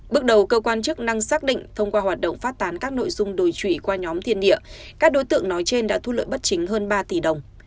bước đầu cơ quan chức năng xác định thông qua hoạt động phát tán các nội dung đồi trụy qua nhóm thiên địa các đối tượng nói trên đã thu lợi bất chính hơn ba tỷ đồng